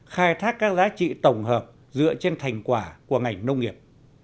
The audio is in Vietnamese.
khai thác các giá trị tổng hợp dựa trên thành quả của ngành nông nghiệp